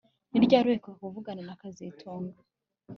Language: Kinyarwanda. Ni ryari uheruka kuvugana na kazitunga